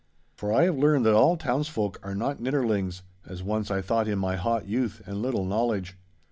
For I have learned that all townsfolk are not nidderlings, as once I thought in my hot youth and little knowledge.